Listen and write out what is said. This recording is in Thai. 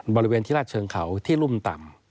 บริเวณที่ราชเชิงเขาที่รุ่มต่ำ